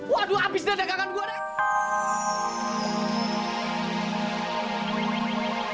waduh abis deh deg degan gue deh